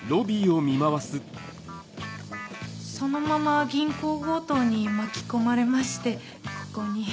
そのまま銀行強盗に巻き込まれましてここに。